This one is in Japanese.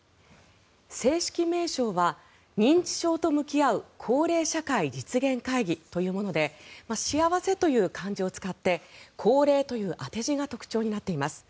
正式名称は認知症と向き合う「幸齢社会」実現会議というもので幸せという漢字を使って「幸齢」という当て字が特徴になっています。